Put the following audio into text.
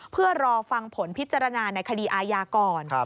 เพื่อรอฟังผลพิจารณาในคดีอาญาก่อน